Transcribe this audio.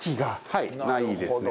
はいないですね。